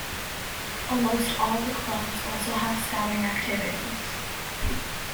Almost all the clubs also have scouting activities.